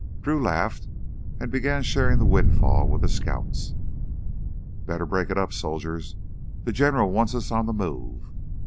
Drew laughed and began sharing the windfall with the scouts. "Better break it up, soldiers. The General wants us on the move."